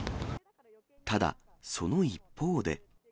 ただ、その一方で。